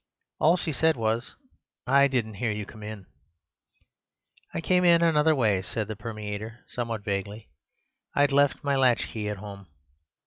All she said was, 'I didn't hear you come in.' "'I came in another way,' said the Permeator, somewhat vaguely. 'I'd left my latchkey at home.